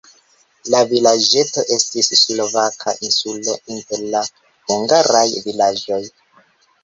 La vilaĝeto estis slovaka insulo inter la hungaraj vilaĝoj.